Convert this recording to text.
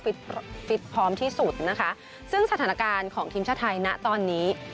ฟิตพร้อมที่สุดนะคะซึ่งสถานการณ์ของทีมชาติไทยนะตอนนี้